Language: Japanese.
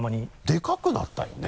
でかくなったよね？